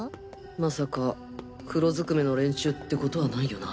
まさか黒ずくめの連中ってことはないよな？